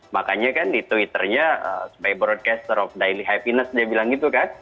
makanya kan di twitternya sebagai broadcaster of daily happiness dia bilang gitu kan